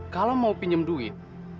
kalau mau pinjam duit